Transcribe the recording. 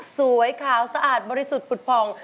สวยขาวสะอาดบริสุทธิ์ปุริภอง